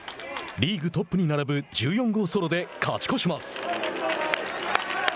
リーグトップに並ぶ１４号ソロで勝ち越します。